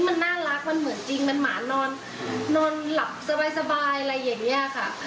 มันน่ารักมันเหมือนจริงมันหมานอนนอนหลับสบายอะไรอย่างนี้ค่ะ